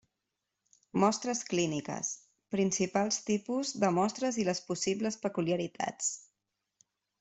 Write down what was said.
Mostres clíniques: principals tipus de mostres i les possibles peculiaritats.